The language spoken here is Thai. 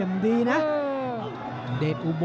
ต้องเต็มข่าวเร็ว